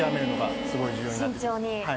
慎重に。